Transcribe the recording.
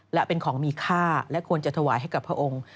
และเป็นของมีค่าและควรจะถวายให้กับพระองค์